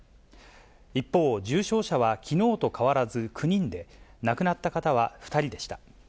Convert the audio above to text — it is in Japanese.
一方、重症者はきのうと変わらず９人で、亡くなった方は２人でした。